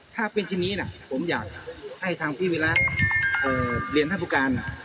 ถ้าเป็นชิ้นนี้นะผมอยากให้ทางพี่วิระเรียนท่านผู้การ